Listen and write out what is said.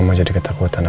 lu sudah terbecana